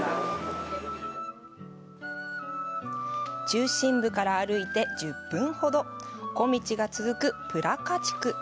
中心部から歩いて１０分ほど小道が続くプラカ地区。